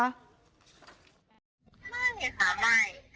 ถ้ามีว่าเฉลาะกันว่าอะไรเนี่ย